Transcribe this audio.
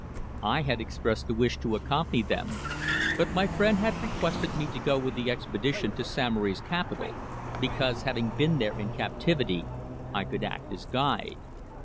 I had expressed a wish to accompany them, but my friend had requested me to go with the expedition to Samory's capital because, having been there in captivity, I could act as guide.